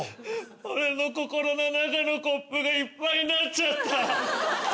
俺の心の中のコップがいっぱいになっちゃった。